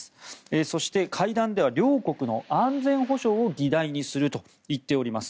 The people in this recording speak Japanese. そして、会談では両国の安全保障を議題にすると言っております。